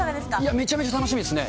めちゃめちゃ楽しみですね。